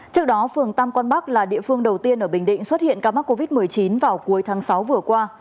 trước đó phường tam quang bắc là địa phương đầu tiên ở bình định xuất hiện ca mắc covid một mươi chín vào cuối tháng sáu vừa qua